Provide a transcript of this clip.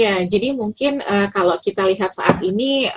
ya jadi mungkin kalau kita lihat saat ini